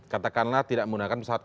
katakanlah tidak menggunakan pesawat